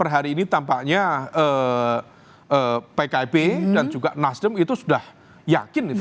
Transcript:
jika kita minjilkan kekuatan itu sama dengan nasdem itu sudah yakin